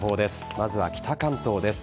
まずは北関東です。